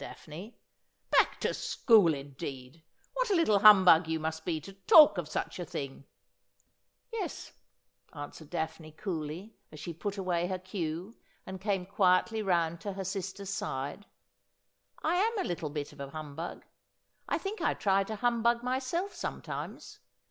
Daphne ! Back to school, indeed ! "What a little humbug you must be to talk of such a thing !' 'Yes,' answered Daphne coolly, as sh^ put away her cue, and came quietly round to her sister's side ;' I am a little bit of a humbug. I think I try to humbug myself sometimes.